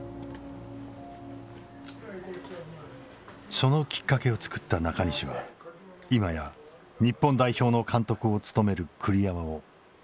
そのきっかけを作った中西は今や日本代表の監督を務める栗山をどう見ているのか。